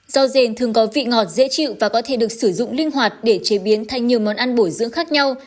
rau rèn thường có vị ngọt dễ chịu và có thể được sử dụng linh hoạt để chế biến thành nhiều món ăn bổi dưỡng khác nhau